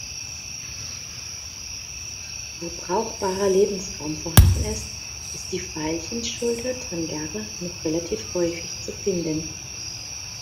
Wo brauchbarer Lebensraum vorhanden ist, ist die Veilchenschulter-Tangare noch relativ häufig zu finden.